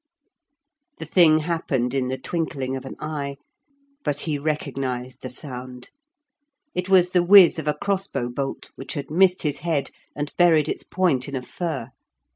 The thing happened in the twinkling of an eye, but he recognised the sound; it was the whiz of a crossbow bolt, which had missed his head, and buried its point in a fir.